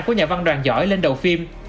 của nhà văn đoàn giỏi lên đầu phim